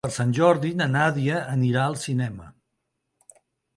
Per Sant Jordi na Nàdia anirà al cinema.